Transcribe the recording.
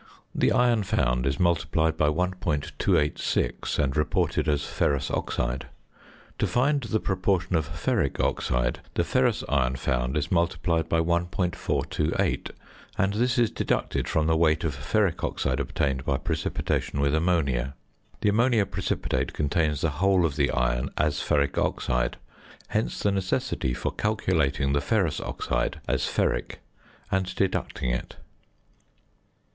The iron found is multiplied by 1.286, and reported as ferrous oxide. To find the proportion of ferric oxide, the ferrous iron found is multiplied by 1.428, and this is deducted from the weight of ferric oxide obtained by precipitation with ammonia. The ammonia precipitate contains the whole of the iron as ferric oxide; hence the necessity for calculating the ferrous oxide as ferric, and deducting it.